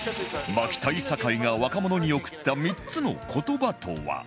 巻きたい酒井が若者に贈った３つの言葉とは？